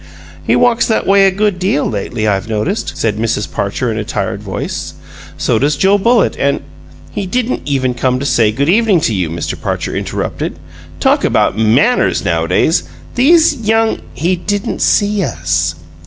"He walks that way a good deal, lately, I've noticed," said Mrs. Parcher in a tired voice. "So do Joe Bullitt and " "He didn't even come to say good evening to you," Mr. Parcher interrupted. "Talk about MANNERS, nowadays! These young " "He didn't see us."